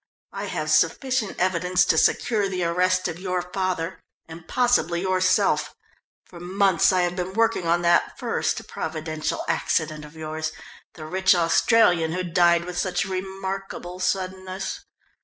"I have sufficient evidence to secure the arrest of your father, and possibly yourself. For months I have been working on that first providential accident of yours the rich Australian who died with such remarkable suddenness.